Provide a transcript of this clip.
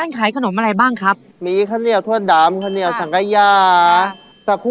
ไม่เชื่อแต่ผมก็ไม่เชื่อว่าอร่อยมาก